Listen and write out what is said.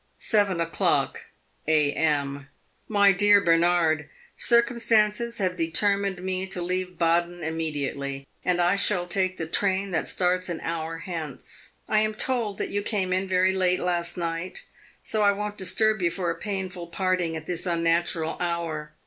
"Seven o'clock, A.M. "My dear Bernard: Circumstances have determined me to leave Baden immediately, and I shall take the train that starts an hour hence. I am told that you came in very late last night, so I won't disturb you for a painful parting at this unnatural hour.